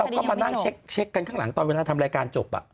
ก็มานั่งเช็คกันข้างหลังตอนเวลาทำรายการจบ